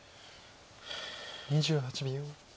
２８秒。